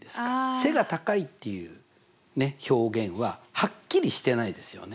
背が高いっていう表現ははっきりしてないですよね。